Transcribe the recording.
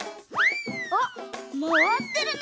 あっまわってるね！